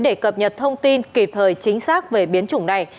để cập nhật thông tin kịp thời chính xác về biến chủng này